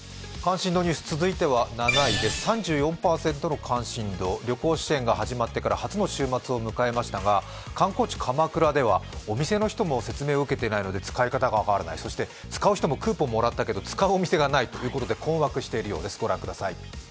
３４％の関心度、旅行支援が始まってから初の週末を迎えましたが観光地・鎌倉ではお店の人も説明を受けていないので使い方が分からない、そして使う人もクーポンもらったけど使うお店がないということで困惑しているようです。